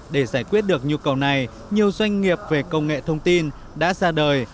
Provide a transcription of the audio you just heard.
để giải quyết được nhu cầu này nhiều doanh nghiệp về công nghệ thông tin đã ra đời